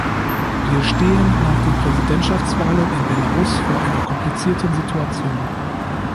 Wir stehen nach den Präsidentschaftswahlen in Belarus vor einer komplizierten Situation.